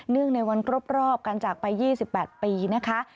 เนื่องในวันกรอบการจากไป๒๘ปีนะคะ